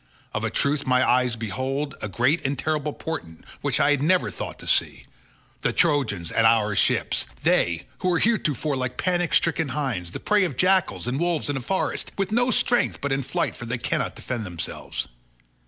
Of a truth my eyes behold a great and terrible portent which I had never thought to see—the Trojans at our ships—they, who were heretofore like panic stricken hinds, the prey of jackals and wolves in a forest, with no strength but in flight for they cannot defend themselves.